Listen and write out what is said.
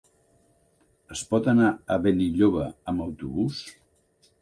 Es pot anar a Benilloba amb autobús?